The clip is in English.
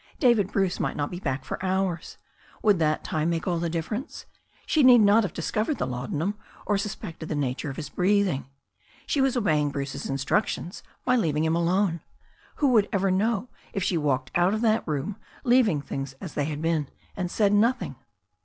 David Bruce might not be back for hours. Would that time make all the diflFerence ? She need not have discovered the laudanum, or suspected the nature of his breathing. She was obeying Bruce's instructions by leaving him alone. Who would ever know if she walked out of that room, leaving things as they had been, and said nothing?